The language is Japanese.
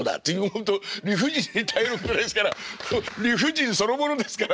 ほんと理不尽に耐えるぐらいですから理不尽そのものですから。